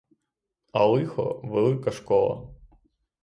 А лихо — велика школа.